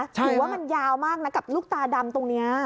ถือว่ามันยาวมากนะกับลูกตาดำตรงนี้